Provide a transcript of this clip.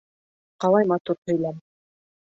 Ҡалай матур һөйләм.